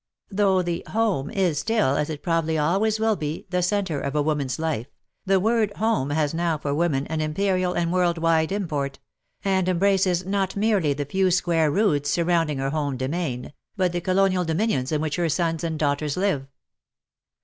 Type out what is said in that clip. Though the "home" is still, as it probably always will be, the centre of a woman's life, the word "home" has now for women an imperial and world wide import, and embraces not merely the few square roods surrounding her home demesne, but the colonial dominions in which her sons and daughters live.